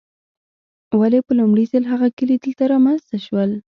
ولې په لومړي ځل هغه کلي دلته رامنځته شول.